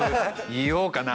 言おうかな。